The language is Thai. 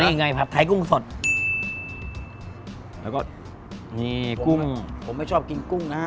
นี่ไงผัดไทยกุ้งสดแล้วก็นี่กุ้งผมไม่ชอบกินกุ้งนะฮะ